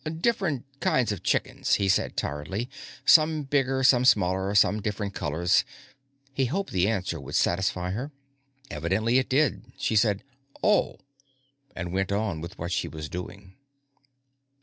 "Different kinds of chickens," he said tiredly. "Some bigger, some smaller, some different colors." He hoped the answer would satisfy her. Evidently it did. She said, "Oh," and went on with what she was doing.